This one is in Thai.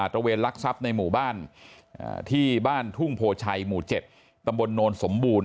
ตระเวนลักษัพในหมู่บ้านที่บ้านทุ่งโพชัยหมู่๗ตนสมบูรณ์